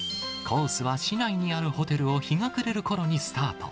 コースは市内にあるホテルを日が暮れるころにスタート。